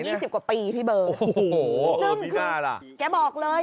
เก็บมา๒๐กว่าปีทีเบอร์